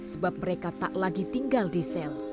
sebab mereka tak lagi tinggal di sel